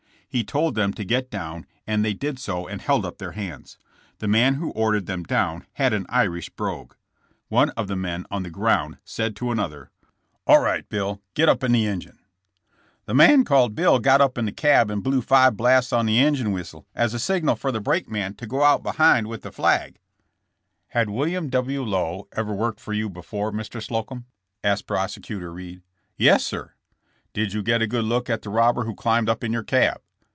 He told them to get down and they did so and held up their hands. The man who ordered them down had an Irish brogue. One of the men on the ground said to another: *' 'All right. Bill, get up in the engine.' " "The man called Bill got up in the cab and blew five blasts on the engine whistle as a signal for the brakeman to go out behind with a flag." 158 JESSE JAMES. *'Had William W. Lowe ever worked with you before, Mr. Slocum?" asked Prosecutor Reed. *'Yes, sir.'* ''Did you get a good look at the robber who climbed up in your cab